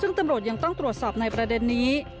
ซึ่งตำรวจยังต้องตรวจสอบในประเด็นนี้